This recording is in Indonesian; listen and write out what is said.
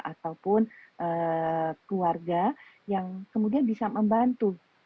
ataupun keluarga yang kemudian bisa membantu